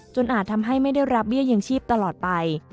อาจทำให้ไม่ได้รับเบี้ยยังชีพตลอดไป